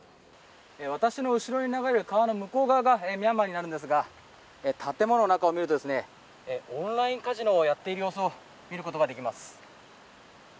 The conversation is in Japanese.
私の後ろに流れる川の向こう側がミャンマーになるんですが建物の中を見るとオンラインカジノをやっている様子を見ることができます。